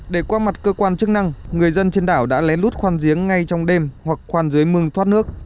để qua mặt cơ quan chức năng người dân trên đảo đã lén lút khoan giếng ngay trong đêm hoặc khoan dưới mương thoát nước